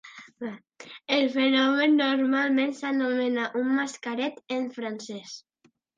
El fenomen normalment s'anomena "un mascaret" en francès.